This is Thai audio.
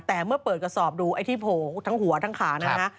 แต่เมื่อเปิดกระสอบดูไอ้ที่โผล่ทั้งหัวทั้งขานะฮะ